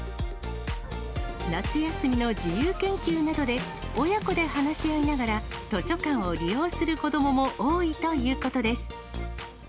夏休みの自由研究などで、親子で話し合いながら、図書館を利用する子どもも多いということです。